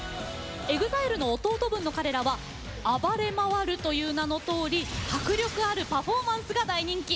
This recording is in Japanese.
ＥＸＩＬＥの弟分の彼らは暴れ回るという名のとおり迫力あるパフォーマンスが大人気。